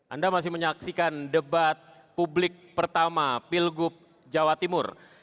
anda masih menyaksikan debat publik pertama pilgub jawa timur